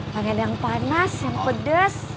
pengen yang panas yang pedes